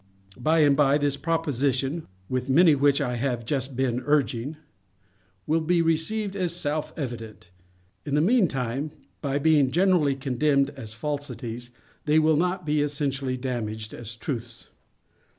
By and by, this proposition, with many which I have been just urging, will be received as self evident. In the meantime, by being generally condemned as falsities, they will not be essentially damaged as truths.